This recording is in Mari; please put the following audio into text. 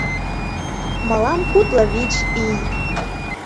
Мылам кудло вич ий.